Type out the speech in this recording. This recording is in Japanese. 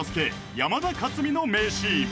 山田勝己の名シーン